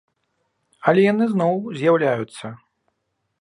Але яны зноў з'яўляюцца!